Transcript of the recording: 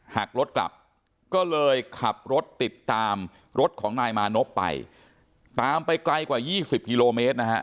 หากรถกลับก็เลยขับรถติดตามรถของนายมานบไปทางไปไกลกว่า๒๐คม